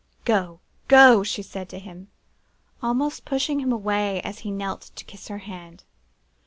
"'Go, go!' she said to him, almost pushing him away as he knelt to kiss her hand.